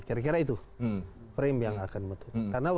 kira kira itu frame yang akan menentukan